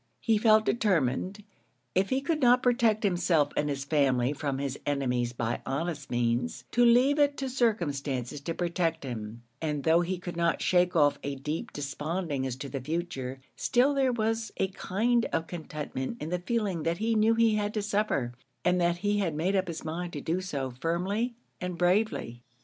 He felt determined, if he could not protect himself and his family from his enemies by honest means, to leave it to circumstances to protect him; and though he could not shake off a deep desponding as to the future, still there was a kind of contentment in the feeling that he knew he had to suffer, and that he had made up his mind to do so firmly and bravely.